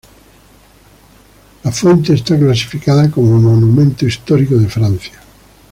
La fuente está clasificada como Monumento histórico de Francia